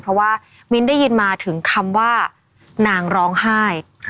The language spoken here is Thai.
เพราะว่ามิ้นท์ได้ยินมาถึงคำว่านางร้องไห้